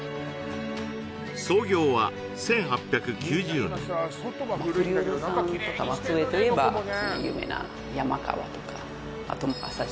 創業は１８９０年風流堂さんとか松江といえば有名な山川とか朝汐とか朝汐？